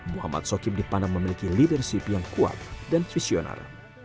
muhammad sokim dipandang memiliki leadership yang kuat dan visioner